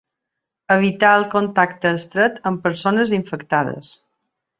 Evitar el contacte estret amb persones infectades.